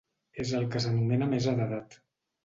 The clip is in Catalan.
És el que s’anomena mesa d’edat.